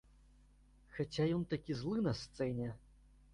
Хаця ён такі злы на сцэне.